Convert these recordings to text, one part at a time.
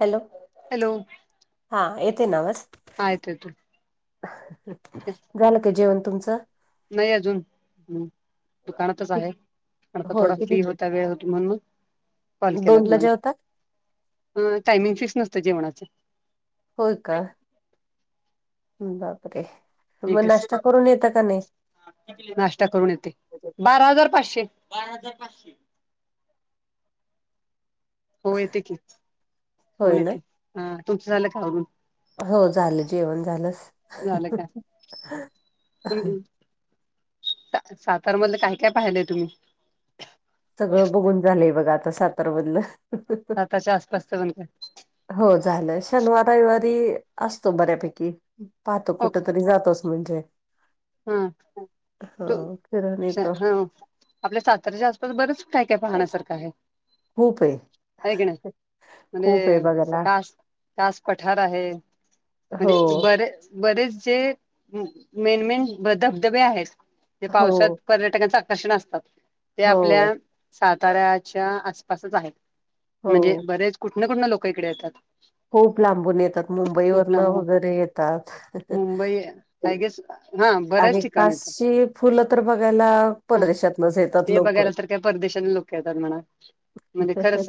Hello. Hello. हा येते ना आवाज. हा येतो येतो. [inaudible] झालं काय जेवण तुमचं. नाही अजून दुकानातच आहे. पणता होय थोडा किती फ्री होता वेळ हो म्हण मग. कॉल केला दोन ला तुम्हाला, जेवतात हम्म टाइमिंग फिक्स नसतं जेवणाच. होय का. बापरे मग एकच नाश्ता करून येतं का नाही नाश्ता करून येते बारा हजार पाचशे बारा हजार पाचशे हो येते की होय होऊन ना येते ह तुमचं झालं का अगून हो झालं जेवण झालं. झालं का [unintelligible] सातारामधले काय काय पाहिलंय तुम्ही? सगळं बघून झालंय बघा आता सातार बधल. सातच्या आसपासचं पण काय हो झालं शनवार रविवारी असतो बऱ्यापैकी पाहतो हो कुठ का तरी जातोस म्हणजे हा तू ह फिरून येतो हा आपल्या सातऱ्याच्या बरेच काय काय पाहण्यासारखं आहे खूपे ऐ क ना म्हजे बघायला कास कास पठार आहे हो म्हणजे बर बरेच जे मेन मेन धबधबे आहेत ते हो पावसात पर्यटकांच आकर्षण असतात ते हो आपल्या साताऱ्याच्या आसपासच आहेत म्हणजे हो बरेच कुठन कुठन लोक इकडे येतात खूप लांबून येतात मुंबई खूप वरन लांबून वगैरे येतात मुंबई आय गेस हा बऱ्याच आणि ठिकाण येतात खासशी फुलं तर बघायला हा परदेशात न येतात लोक ेतात म्हणा म्हणजे खरच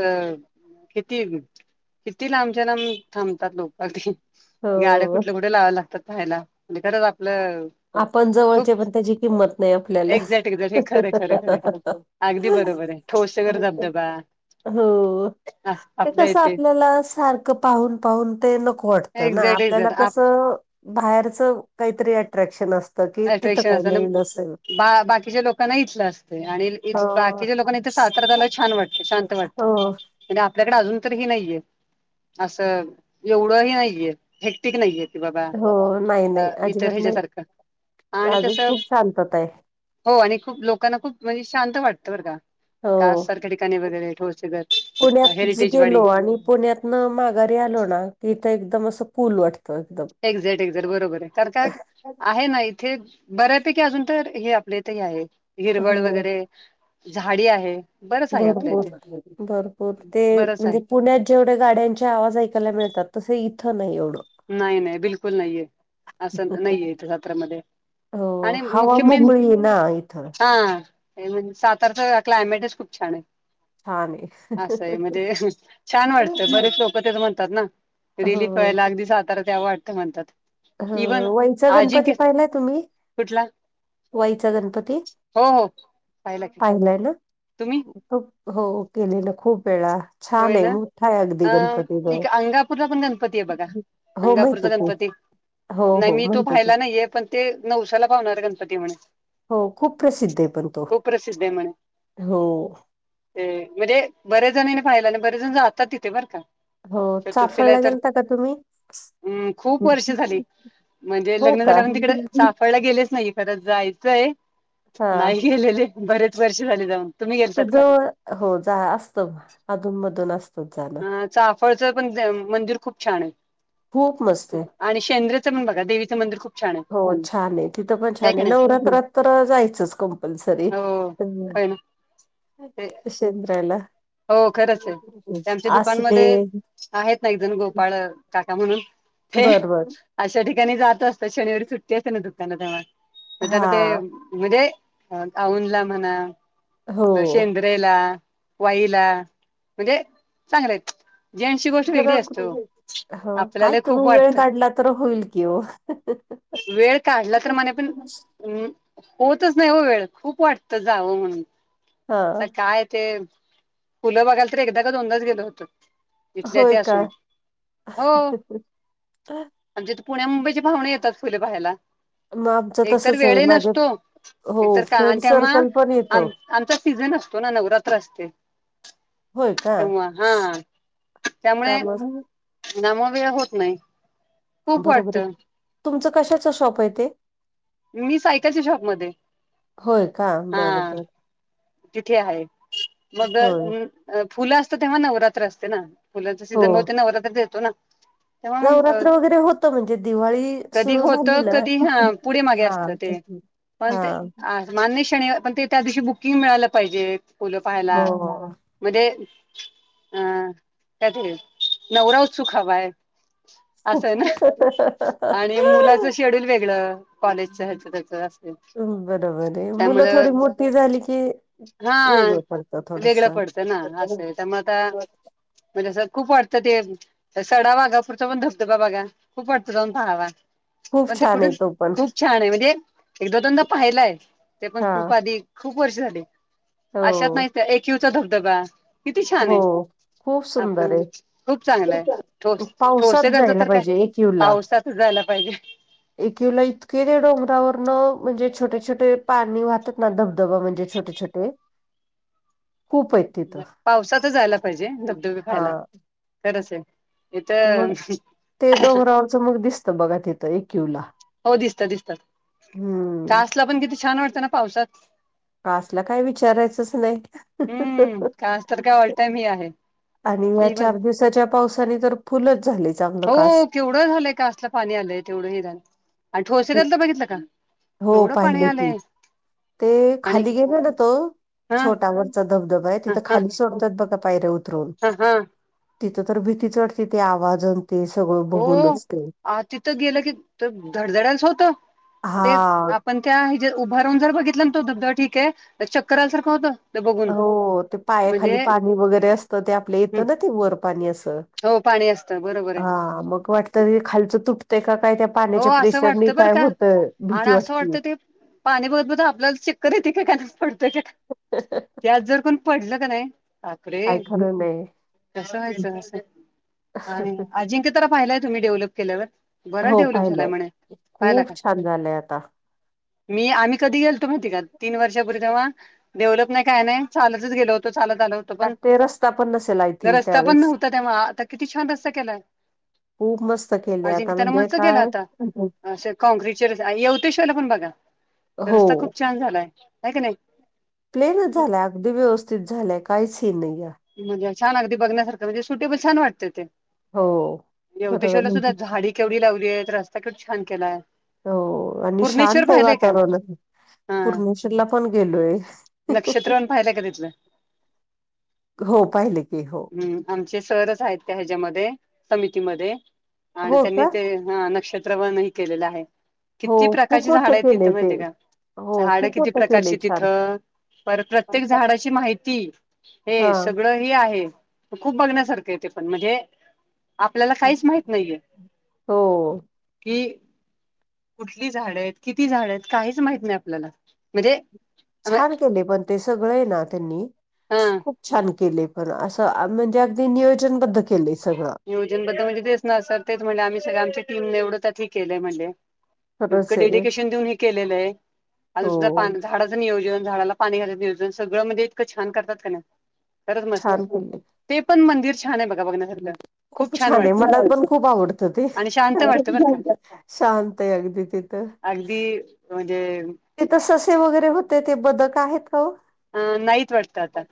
किती किती लांबच्या लांब थांबतात लोक गाड्या हो कुठल्या कुठे लावायला लागतात पाहायला म्हज खरंच आपलं आपण खूप जवळचे पण त्याची किंमत नाही आपल्याला एक्झॅक्ट एक्झॅक्ट हे खरं खरं खरं हो अगदी बरोबर आहे ठोसगर धबधबा का हो आ- ते आपल्या कस इथे आपल्याला सारखं पाहून पाहून ते नक वाटत ना एक्झॅक्ट आपल्याला एक्झॅक्ट कस आप बाहेरच काहीतरी अ्रक्शन अस अट्रॅक्शन असत आणि बा बाकीच्या लोकांना इथलं असते आणि हो बाकीच्या लोकांना सातर झायला छान वाटत शांत वाटतं हो म्हणे आपल्याकडे अजून तररी ह नाहीये असं एवढं ह नाहीये हेक्टिक नाही येत बाबा हो अ इतर ह्याच्यासारखं आणि आजू तसं खूप शांतता आहे हो आणि खूप लोकांना खूप म्हणजे शांत वाटतं बर का का हो. सारख्या ठिकाणी वगैरे ठसे हेरिटेजवाडी पा पुण्यात न माघारी आलो ना की इथं एकदम असं पूल वाटते तो एकदम एक्झॅक्ट एक्झॅक्ट बरोबर आहे कार काय आहे ना इथे बऱ्यापैकी अजून तर हे आपले इथही आहे हिरवळ हो वगैरे झाडी आहे बरंच आहे आपल्या इथे भरपूर भरपूर ते बरंच म्हणजे आहे पुण्यात जेवढे गाड्यांचे आवाज ऐकायला मिळतात तस इथं नाही एवढं नाही नाही बिलकुल नाहीये असं नाहीये इथं जत्रमध्येध्ये हो आणि हवा मुख्य मन मोकळी आहे ना इथं हा म्हणजे सातारचं क्लायमेटच खूप छान आहे हा नाही असं आहे म्हणजे छान वाटतं बरीेच लोक तेथ म्हणतात ना रिली प व्हायला हो. अगदी सातारा तेव वाटतं म्हणतात ह इव्हन वाईचा गणपती आजिंक्य पाहिलाय तुम्ही कुठला वाईचा गणपती हो हो पाला क पाहिलाय ना? तुम्ही खूप हो केलेलं खूप वेळा छान होय आहे ना मोठा आहे अगदी अ इ गणपतीजवळ अंगापूरला पण गणपती आहे बघा हो माहिती अंगापूरचा आहे की गणपती हो नाय हो मी ततो माहिती आहे पाहायला की नाहीये पण ते नवसाला पावणार गणपती आहे म्हणे हो खूप प्रसिद्ध आहे पण तो खूप प्रसिद्ध आहे म्हणे हो ते म्हणजे बरेच जनानी पाहिला न बरेच लोक जातात बर का हो चतुर्थीलाये चाफळला तर गेलता का तुम्ही हम् खूप वर्ष झाली. म्हणजे हो लग्न का झाल्यापासून तिकड चाफळला गेलेच नाही. खर जायचंय हा नाय गेलेले बरेच वर्ष झाले जाऊन. तुम्ही गेलतात त्याज का हो जा असत अधून मधून असत जाण अ चाफळच पण मंदिर खूप छान आहे. खूप मस्तये. आणि शेंद्रचं पण बघा देवीचंं मंदिर खूप छान हो छान आहे तिथं पण छान का आहे नाही नवरात्रात तर जायचंच कंपल्सरी. हो हाय ना ते शेंद्रायला हो खरंच ये त्यांचं असले दुकानमध्ये आहेत ना एक जण गोपाळ काका म्हणून ते बर बर अशा ठिकाणी जात असत शनिवारी सुट्टी असते ना दुकान तेव्हा त त्यांना ते हा म्हणजे औद ला म्हणा ज हो. शेंद्रेला वाईला म्हणजे चांगलेयेत. बघा कुठे जायच हो काय आपल्याला खूप तुम्ही वेळ वाटतं काढला तर होईल की ओ वेळ काढला तर मणे पण अम्म होतच नाय हो वेळ खूप वाटत जावं म्हणून हा आता काय ते फुलं बघायला तर एकदा का दोनदाच गेलो होतो. इथल्या होय इथं का? असून हो आमच्या इथं पुण्या मुंबईचे पाहूणे येतात फुले पाहायला. मग आमचं एकतर तसच वेळ आहे ही माझे नसतो हो एकतर का फ्रेंड त्यामुळं सर्कल पण येतो आम आमचा सीझन असतो ना नवरात्र असते. होय का तेव्हा हा त्यामुळच ना म वेळ होत नाही. खूप बरोबर य वाटतं तुमचं कशाच शॉप आहे ते मी सायकलच्या शॉपमध्ये होय का बर हा बर. तिथे हाये मग होय फुलं असतं तेव्हा नवरात्र असते ना फुलांचा हो. सीझन बहुतेक नवरात्रात येतो ना. तेव्हा मंग अ नवरात्र वगैरे होतं म्हणजे दिवाळी कधी सुरू होत झाली ना कधी ह पुढे मागे असत हा. ते पण ते हा आस मान्य शनिवा पण ते त्या दिवशी बुकिंग मिळायला पाहिजेत फुल पाहायला. हो. मध्ये अं त्यात हे नवरा उत्सुक हवाय. असं आहे ना आणि मुलाच शेड्यूल वेगळं कॉलेजच ह्याचं त्याच असं बरोबर आहे मुलं थोडी मोठी झाली की, हा वेगळं पडतं थोडस वेगळं पडतं ना असंय त्यामुळं आता म्हणजे असं खूप वाटतं ते त्या सडावागापूरचा पण धबधबा बघा खूप वाटतं जाऊन पहावा. खूप पण ते छान कुठ आहे तो पण खूप छान आहे म्हणजे एकदा दोनदा पाहलाय ते पण हा खूप आधी खूप वर्ष झाली हो अशात नाही एकयूचा धबधबा किती छान हो आहे. खूप आपल्या सुंदर म्हजे खूप चांगला आहे ठोस पावसात ठोसेकरचा जायला तर काय पाहिजे पावसात जायला पाहिजे. एकीला इतके ते डोंगरावरन म्हणजे छोटे छोटे पाणी वाहतात ना धबधबा म्हणजे छोटे छोटे [inaudible] कूप आहेत. तिथं पावसातच जायला पाहिजे धबधबे हा पहायला खरंच आहे. इथ.. समोर दिसत बघा तिथं एकयू ला हो दिसत दिसत ता आसला पण किती छान वाटतं ना पावसात आसला काय विचारायचंच नाही. हम्म कास तर काय ऑल टाईम ही आहे. आणि या इव्हन चार दिवसाच्या पावसाने तर फुलच झाली चांगलं कास तेवढं झालंय कासला पाणी आलंय तेवढं हे झालं आणि ठोसे करातलं बघितलं का हो केवढं पाणी पाहिलं की आलंय? ते आणि खाली गेले ना तो हा छोटावर चा धबधबा आहे हा तिथं हा खाली सोडतात बघा पायऱ उतरून. हा हा तिथं तर भीतीच वाटते ते आवाज आणते सगळं बघून असते. अ तिथं गेलं की धडधडायलाच होत ते हा पण त्या ह जे उभारहून जर बघितलं ना तो धबधबा ठीक आहे तर चकर आल्यासारखं होत. हो ते पायाखाली पाणी वगैरे असतं ते आपल्या येतं ना ते वरपाणी असं हो पाणी असतं बरोबर आहे. हा मग वाटत खालचं तुटतय काय हो पाण्याच्या असं प्रेशर न वाटतं बरं काय का होत आणि भीती असं वाटते. वाटतं ते पाणी बघत, बघत आपल्याला चक्कर येतिकका पाण्यात पडतो काय [unintelligible] त्यात जर कोण पडलं का नाही. बापरे काय खरं कस व्हायचं नाही. कस आणि अजिंक्य पाहिला आहे तुम्ही डेव्हलप केल्यावर बर हो डेव्हलप झालाय म्हणे पाहिला खूप का छान झालंय आता‌ मी आम्ही कधी गेलतो माहिती आहे का तीन वर्षांपूर्वी तेव्हा डेव्हलप नाही काय नाही चालतच गेलो होतो चालत आल होतो. पण लागते रस्ता पण नसेल आय थिंक रस्ता पण त्यावेळेस नव्हता तेव्हा आता किती छान रस्ता केलाय. खूप मस्त केले आता अजिंक्यतानं म्हणजे मस्त केला काय आता असे कॉंक्रीचे रस्ते यवतेश्वर पण बघा हो रस्ता खूप छान झालाय आहे का नाही? प्लेनच झालाय अगदी व्यवस्थित झालंय काहीच हीन नाही या. म्हणजे छान अगदी बघण्यासारखं म्हणजे सुटेबल छान वाटते ते. हो यवतेश्वरला बरोबर सुद्धा झाडी केवढी लावली आहे रस्ता किती छान केलाय. हो आणि पूर्णेश्वर शांत आहे पाहिलंय का वातावरण. हा कुर्णेश्वर ला पण गेलोय. नक्षत्रवन [inaudible] हो पाहिले की हो. आमचे सरच आहेत ह्याच्याया मध्ये समितीमध्ये आणि हो त्यांनी का ते हा नक्षत्रवन ही केलेला आहे हो किती खूप प्रकारची झाडं मोठं आहेत केलंय तिथं ते माहितय आहे का? हो झाड खूप किती मोठं केलंय प्रकारची छान तिथं पर प्रत्येक झाडाची माहिती हा हे सगळं ही आहे खूप बघण्यासारखं य ते पण म्हणजे आपल्याला काहीच माहित नाहीये हो कि कुठली झाड आहेत, किती झाड आहेत, काहीच माहित नाही आपल्याला म्हणजे छान केले पण ते सगळे हाय ना त्यांनी? हां. खूप छान केले पण असं म्हणजे अगदी नियोजनबद्ध केलंय सगळं. नियोजन बद्दल म्हणे तेच ना सर तेच म्हणे आम्ही सगळे आमच्या टीमने एवढं त केलंय म्हणे खरंच इतकं आहे डेडिकेशन देऊन हे केलेलं आहे अजून हो सुद्धा पान झाडाचं नियोजन झाडाला पाणी खायच नियोजन सगळं मध्ये इतकं छान करतात का नाही. खरच मस्त छान केले ते पण मंदिर छान आहे बघा बघण्यासारखं खूप छान आहे मला पण खूप आवडतं ते आणि शांत वाटतं बरं का शांत आहे अगदी तिथं अगदी म्हणजे तेथ ससे वगैरे होते ते बदक आहेत का ओ अ नाहीत वाटत आता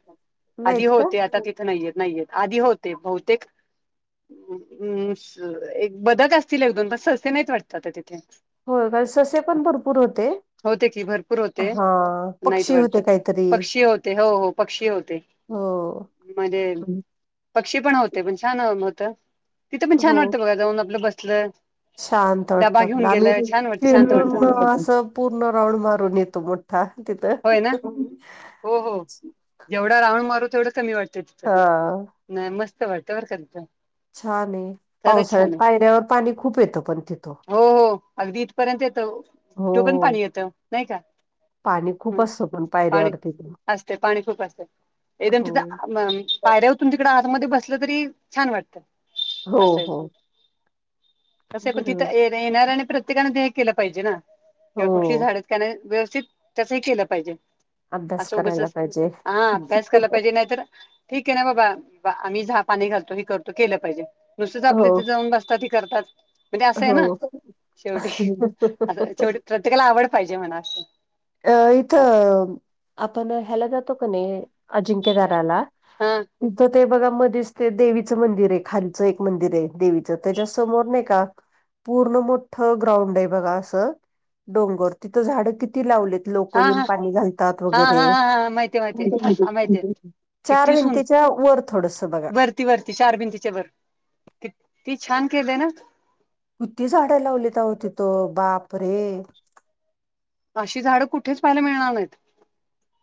आधी नाहीत का होते आता तिथं नाहीयेत नाहीयेत आधी होते बहुतेक म एक बदक असतील एक, दोनदा सहस्ती नाहीत वाटतात तिथे हो का ससे पण भरपूर होते होते की भरपूर होते हा नाहीत पक्षी वाटत होते काही पक्षी होते हो हो पक्षी होते हो म्हजे पक्षी पण होते पण छान होत तिथं पण छान हो वाटत बघा जाऊन आपलं बसलं शांत वाटत डबा घेऊन आपला आम्ही गेलं छान वाटतं शांत वाटतं फिरून असं पूर्ण राऊंड मारून येतो मो हा तिथं होय ना हो हो जेवढा राऊंड मारू तेवढं कमी वाटत हा नाही मस्त वाटत बर का तिथ छान आहे पावसाळ्यात पायऱ्यावर पाणी खूप येतं पण तिथं हो हो अगदी इथपर्यंत येत कुठ पण हो. पाणी येतं नाही का पाणी ह खूप असतं पण पाणी पायऱ्यावरती पण असते पाणी खूप असतय एकदम हो तिथं पायऱ्या उतरून तिकडे आतमध्ये बसलं तरी छान वाटतं हो असय हो. कसाय पण बरोबर तिथं येणाऱ्याने आणि प्रत्येकान ते केलं पाहिजे ना किंवा कुठली हो झाड [unintelligible] व्यवस्थित त्याच केलं पाहिजे अभ्यास अस करायला उगचच पाहिजे. हा अभ्यास केला पाहिजे नाहीतर ठीक आहे ना बाबा आम्ही झाहा पाणी घलतो हे करतो केलं पाहिजे नुसतच हो आपल तिथे जाऊन बसता करतात म्हणजे असं आहे हो. ना शेवटी अस शेवटी प्रत्येकाला आवड पाहिजे म्हणा असं अ इथं आपण ह्याला जातो का नाही अजिंक्यदाराला हा तिथं ते बघा मध्येच ते देवीचं मंदिर आहे खालचं एक मंदिर आहे देवीच त्याच्या समोर नाही का पूर्ण मोठं ग्राउंड आहे बघा असं डोंगर तिथं झाडं किती लावलेत लोक हा येऊन हा पाणी घालतात हा वगैरे हा हा हा माहितीय माहितीय हा माहितीय [unintelligible] चार किती सून भिंतीच्या वर थोडस बघा वरती वरती चार भिंतीच्यावर कित्ती छान केलंय ना किती झाडं लावली अहो तिथ बाप रे अशी झाडं कुठेच पाहायला मिळणार नाहीत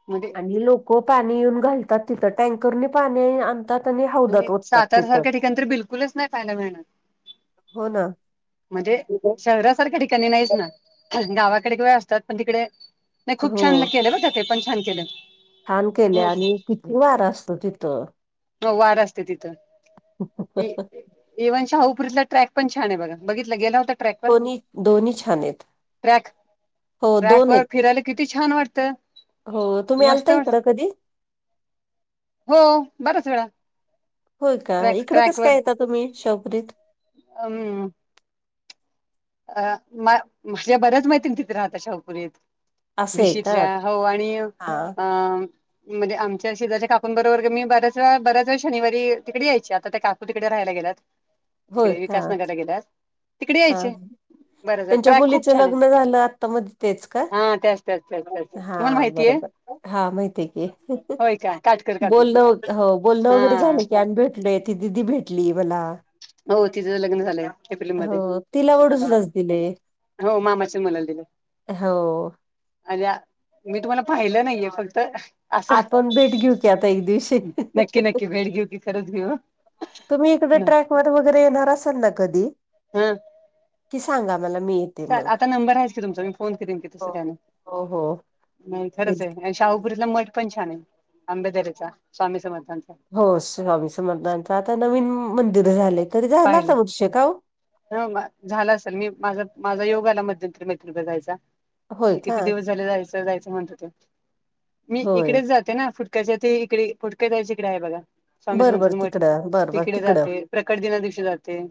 मध्ये आणि लोक पाणी येऊन घालतात तिथं टँकरनी पाणी आणतात [unintelligible] आणि सातार तिथं सारख्या ठिकाण तरी बिलकुलच नाही पहायला मिळणार हो ना म्हणजे [unintelligible] शहरासारख्या ठिकाणी नाहीच ना गावाकडे किंवा असतात पण तिकडे नाही खूप हो छान केल ब काय ते पण छान केल छान केलय आणि किती वार असतो तिथं हो वार असते तिथं इवन शाहुपरीतला ट्रॅक पण छान आहे बघा बघितलं गेला होता ट्रॅकवर दोन्ही दोन्ही छान आहेत ट्रॅक हो ट्रॅक दोन आहेत वर फिरायला किती छान वाटतं हो तुम्ही मस्त आलता वाटत इकडं कधी हो बराच वेळा होय का ट्रॅक इकडं कस ट्रॅकवर काय यता तुम्ही शाहूपुरीत अम अ म्ह माझ्या बर्याच मैत्रिणी तिथे राहता शाहूपुरीत असं आहे का भीशीतल्या हो आणि अ हा म्हणजे आमच्या शिजाच्या काकूंबरोबर मी बऱ्याच वळा बऱच वेळा शनिारी तिकडे यायची आता त्या काकू तिकडे राहायला गेल्यात होय तिकडे का? विकास नगरला गेल्यात तिकडे हा. यायचे बरं बर त्यांच्या ट्रॅक मुलीच खूप छान आहे लग्न झालं आता मध्ये तेच का हा त्याच त्याच त्याच त्याच हा तुम्हाला माहितीय बरोबर हा माहितीय की, होय का काटकर काकू बोलणं हो बोलणं हा वगैरे झालं कॅन भेटले ती दिदी भेटली मला हो तिथंच लग्न झालंय. हो एप्रिलमध्ये तिला वडूजलाच दिलंय. हो मामाच्या मुलाला दिले. हो. अय्या मी तुम्हाला पाहिलं नाहीये फक्त असं आपण भेट घेऊ की आता एक दिवशी. नक्की नक्की हां. वेळ भेट कि खरच घेऊ ह. तुम्ही इकडे ट्रॅकवर वगैरे येणार असाल ना कधी? हम्म. की सांगा मला मी मग. आता नंबर आहेच की तुमचा मी फोन करेन की तसं तसं हो काही नाही. हो, हो. नाही खरंच तेच. आहे की. शाहुपुरीतलं मठ पण छान आहे. आंबेदरेचा स्वामी समर्थांचा. हो स्वामी समर्थांचा आता नवीन मंदिर झाल आहे. तरी झालाच पाहिलं. वर्षे का हो? [unintelligible] झाला असेल मी माझ माझा योगाला मध्यंतरी [unintelligible] कडे जायचा. होय मी का? किती दिवस झाले जायचं जायचं म्हणत होते. मी होय. इकडे जा ते ना फुटक्याच्या ते इकडे फुटक त्याच्या इकडे आहे बघा. स्वामी बरं बरं समर्थांचा मठ तिकडं बरं बरं तिकडे तिकडं जाती प्रकट दिनाच्या दिवशी जाते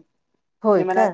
होय [unintelligible] मला का?